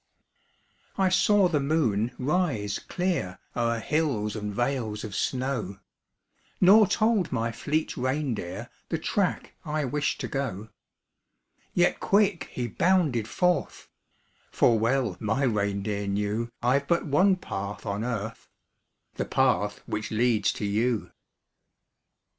I saw the moon rise clear O'er hills and vales of snow Nor told my fleet reindeer The track I wished to go. Yet quick he bounded forth; For well my reindeer knew I've but one path on earth The path which leads to you.